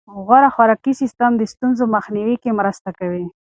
غوره خوراکي سیستم د ستونزو مخنیوي کې مرسته کوي.